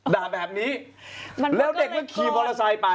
ด่าแบบนี้แล้วเด็กก็ขี่บรรทรายไป